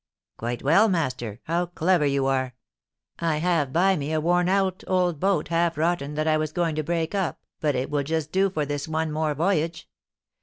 'Quite well, master; how clever you are! I have by me a worn out old boat, half rotten, that I was going to break up, but it will just do for this one more voyage.'